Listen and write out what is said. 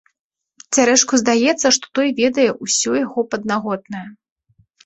Цярэшку здаецца, што той ведае ўсё яго паднаготнае.